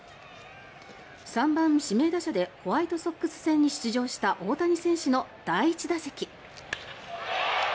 ３番指名打者でホワイトソックス戦に出場した大谷選手の第１打席。